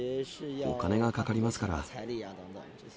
お金がかかりますから。